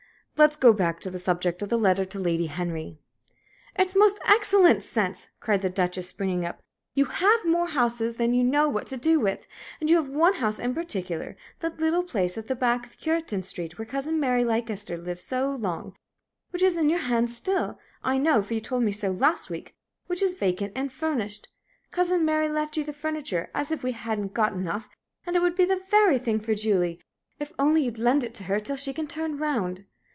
"Let's go back to the subject of my letter to Lady Henry." "It's most excellent sense!" cried the Duchess, springing up. "You have more houses than you know what to do with; and you have one house in particular that little place at the back of Cureton Street where Cousin Mary Leicester lived so long which is in your hands still, I know, for you told me so last week which is vacant and furnished Cousin Mary left you the furniture, as if we hadn't got enough! and it would be the very thing for Julie, if only you'd lend it to her till she can turn round."